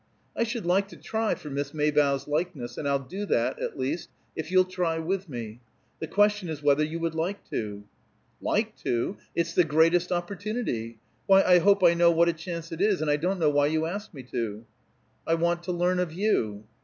I should like to try for Miss Maybough's likeness, and I'll do that, at least, if you'll try with me. The question is whether you would like to." "Like to? It's the greatest opportunity! Why, I hope I know what a chance it is, and I don't know why you ask me to." "I want to learn of you."